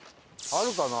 あるかな？